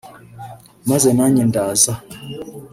”Maze nanjye ndaza